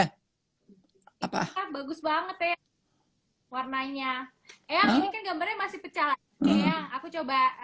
hai apa kak bagus banget ya warnanya dan gambarnya masih paljon nya aku coba